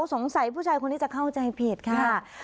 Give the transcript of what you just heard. สงสัยผู้ชายคนนี้จะเข้าใจผิดค่ะ